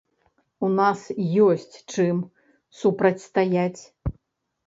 У нас ёсць чым супрацьстаяць.